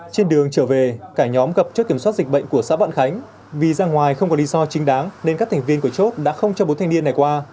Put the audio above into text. trên đường trở về cả nhóm gặp chốt kiểm soát dịch bệnh của xã vạn khánh vì ra ngoài không có lý do chính đáng nên các thành viên của chốt đã không cho bốn thanh niên này qua